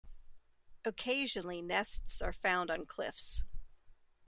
Occasionally, nests are found on cliffs.